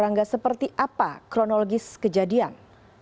rangga seperti apa kronologis kejadian